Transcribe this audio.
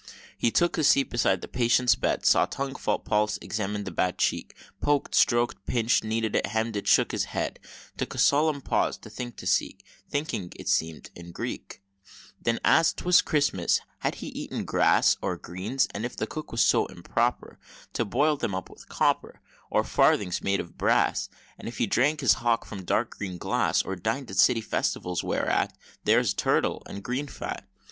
He took a seat beside the patient's bed, Saw tongue felt pulse examined the bad cheek, Poked, strok'd, pinch'd, kneaded it hemm'd shook his head Took a long solemn pause the cause to seek, (Thinking, it seem'd in Greek,) Then ask'd 'twas Christmas "Had he eaten grass, Or greens and if the cook was so improper To boil them up with copper, Or farthings made of brass; Or if he drank his Hock from dark green glass, Or dined at City Festivals, whereat There's turtle, and green fat?"